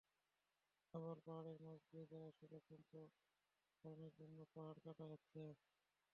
আবার পাহাড়ের মাঝ দিয়ে যাওয়া সড়ক সম্প্রসারণের জন্যও পাহাড় কাটা হচ্ছে।